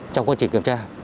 trong quá trình kiểm tra